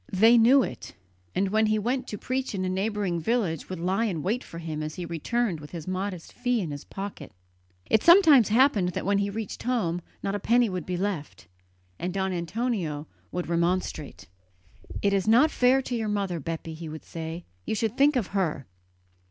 They knew it, and when he went to preach in a neighbouring village would lie in wait for him as he returned with his modest fee in his pocket. It sometimes happened that when he reached home not a penny would be left, and Don Antonio would remonstrate. "It is not fair to your mother, Bepi," he would say; "you should think of her."